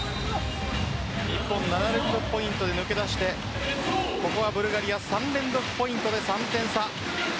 日本７連続ポイントで抜け出してここはブルガリア３連続ポイントで３点差。